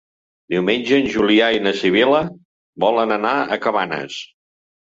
Diumenge en Julià i na Sibil·la volen anar a Cabanes.